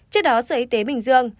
trước đó sở y tế bình dương